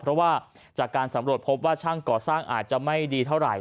เพราะว่าจากการสำรวจพบว่าช่างก่อสร้างอาจจะไม่ดีเท่าไหร่